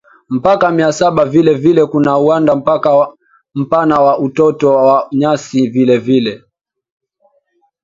mpaka Mia saba Vile vile kuna uwanda mpana wa uoto wa nyasi Vile vile